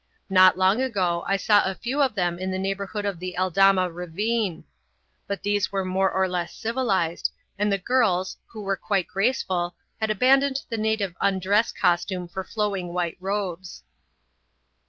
Not long ago I saw a few of them in the neighbourhood of the Eldama Ravine: but these were more or less civilised, and the girls, who were quite graceful, had abandoned the native undress costume for flowing white robes.